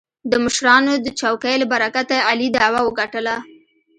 د مشرانو د چوکې له برکته علي دعوه وګټله.